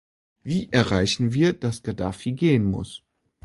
Wie erreichen wir, dass Gaddafi gehen muss?